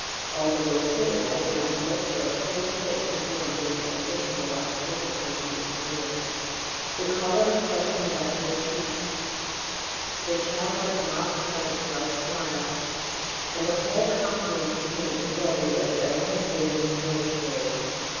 All the wasted and agonized look that her poor face had worn during the anguish of her last purification disappeared. The colour and flesh came back to her cheeks, the childlike mouth took on its bright smile, and the whole countenance became as lovely as it had ever been in her girlish days.